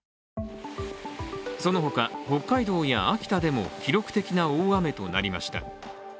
そのほか、北海道や秋田でも記録的な大雨となりました。